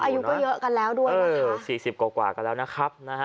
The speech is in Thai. มั๊ยอายุก็เยอะกันแล้วนะคะ